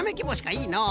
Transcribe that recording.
いいのう。